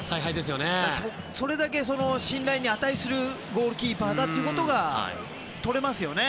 それだけ信頼に値するゴールキーパーだということが受け取れますよね。